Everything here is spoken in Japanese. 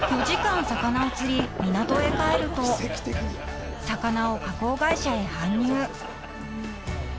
［４時間魚を釣り港へ帰ると魚を加工会社へ搬入］